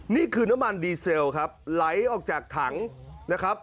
นี่คือน้ำมันดีเซลครับไหลออกจากถังนะครับ